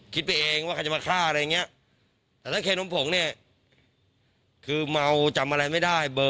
คิดไปเองว่าใครจะมาฆ่าอะไรอย่างนี้แต่ถ้าเคนมผงเนี่ยคือเมาจำอะไรไม่ได้เบอร์